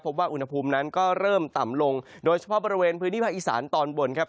พบว่าอุณหภูมินั้นก็เริ่มต่ำลงโดยเฉพาะบริเวณพื้นที่ภาคอีสานตอนบนครับ